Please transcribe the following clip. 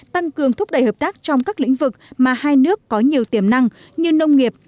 tăng cường thúc đẩy hợp tác trong các lĩnh vực mà hai nước có nhiều tiềm năng như nông nghiệp